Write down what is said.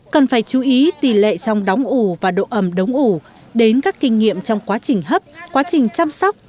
cần phải chú ý tỷ lệ trong đóng ủ và độ ẩm đóng ủ đến các kinh nghiệm trong quá trình hấp quá trình chăm sóc